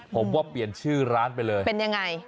ผมว่าเปลี่ยนชื่อร้านไปเลยเป็นยังไง